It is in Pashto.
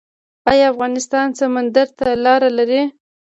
آیا افغانستان سمندر ته لاره لري؟